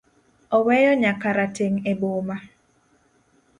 Oweyo nya karateng' e boma.